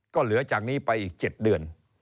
ก็เหลือจากนี้ไปอีก๗เดือน